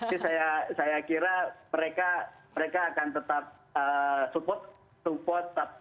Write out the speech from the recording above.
jadi saya kira mereka akan tetap support